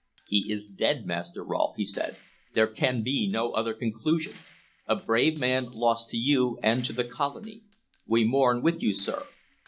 "He is dead, Master Rolfe," he said. "There can be no other conclusion, a brave man lost to you and to the colony. We mourn with you, sir."